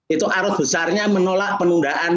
itu arus besarnya menolak penundaan